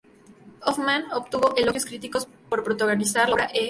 Hoffman obtuvo elogios críticos por protagonizar la obra "Eh?